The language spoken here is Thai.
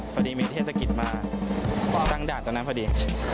พอดีมีเทศกิจมาตั้งด่านตอนนั้นพอดี